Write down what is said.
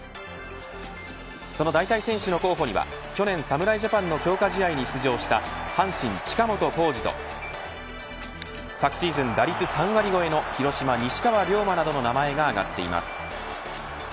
その代替選手の候補には去年侍ジャパンの強化試合に出場した阪神近本光司と昨シーズン打率３割超えの広島、西川龍馬などの名前が挙がっています。